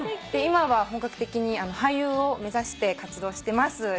今は本格的に俳優を目指して活動してます。